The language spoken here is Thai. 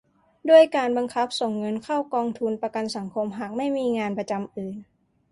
ด้วยการบังคับส่งเงินเข้ากองทุนประกันสังคมหากไม่มีงานประจำอื่น